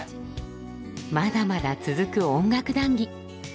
まだまだ続く音楽談議。